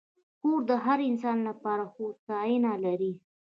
کور د هر انسان لپاره هوساینه لري.